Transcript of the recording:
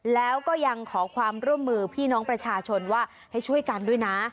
แล้วก็ยังขอความร่วมมือพี่น้องประชาชนว่าให้ช่วยกันด้วยนะ